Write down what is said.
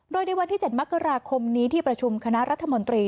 โดยในวันที่๗มกราคมนี้ที่ประชุมคณะรัฐมนตรี